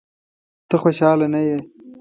ته خوشاله نه یې؟